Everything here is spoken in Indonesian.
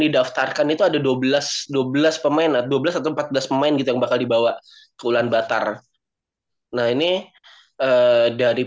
didaftarkan itu ada dua belas dua belas pemain dua belas atau empat belas pemain gitu yang bakal dibawa ke ulan batar nah ini dari